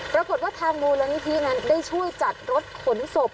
ปรากฏว่าทางมูลนิธินั้นได้ช่วยจัดรถขนศพ